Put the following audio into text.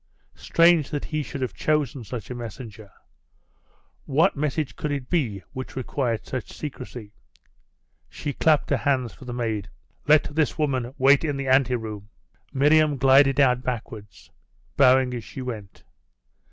Strange that he should have chosen such a messenger! What message could it be which required such secrecy? She clapped her hands for the maid. 'Let this woman wait in the ante room.' Miriam glided out backwards, bowing as she went.